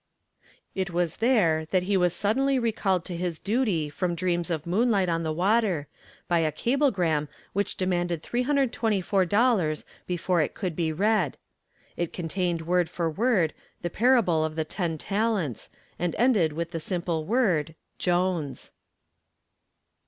It was there that he was suddenly recalled to his duty from dreams of moonlight on the water by a cablegram which demanded $324.00 before it could be read. It contained word for word the parable of the ten talents and ended with the simple word "Jones."